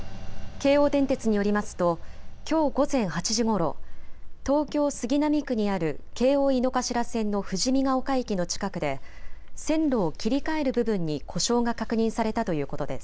京王電鉄によりますときょう午前８時ごろ東京杉並区にある京王井の頭線の富士見ヶ丘駅の近くで線路を切り替える部分に故障が確認されたということです。